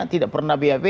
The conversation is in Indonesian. tidak pernah bap